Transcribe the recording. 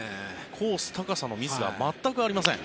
コース、高さのミスは全くありません。